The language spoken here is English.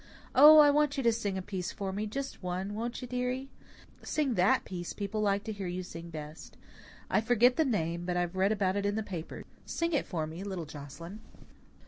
Oh, I want you to sing a piece for me just one, won't you, dearie? Sing that piece people like to hear you sing best. I forget the name, but I've read about it in the papers. Sing it for me, little Joscelyn."